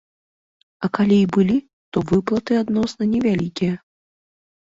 А калі і былі, то выплаты адносна невялікія.